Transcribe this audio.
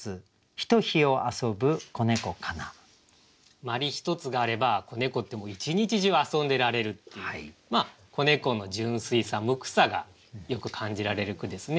鞠ひとつがあれば子猫って一日中遊んでられるっていう子猫の純粋さ無垢さがよく感じられる句ですね。